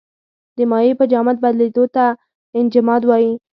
د مایع په جامد بدلیدو ته انجماد وايي.